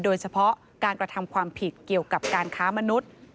โดยเฉพาะการกระทำความผิดเกี่ยวกับการค้ามนุษย์